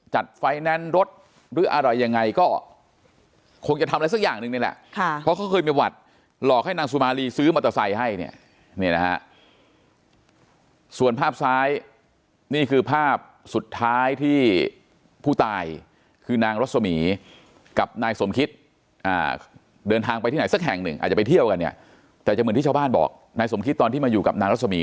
ไฟแนนซ์รถหรืออะไรยังไงก็คงจะทำอะไรสักอย่างหนึ่งนี่แหละค่ะเพราะเขาเคยมีหวัดหลอกให้นางสุมารีซื้อมอเตอร์ไซค์ให้เนี่ยนะฮะส่วนภาพซ้ายนี่คือภาพสุดท้ายที่ผู้ตายคือนางรสมีกับนายสมคิดเดินทางไปที่ไหนสักแห่งหนึ่งอาจจะไปเที่ยวกันเนี่ยแต่จะเหมือนที่ชาวบ้านบอกนายสมคิดตอนที่มาอยู่กับนางรัสมี